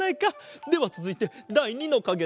ではつづいてだい２のかげだ。